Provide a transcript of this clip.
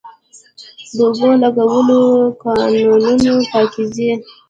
د اوبو لګولو کانالونه پاکیږي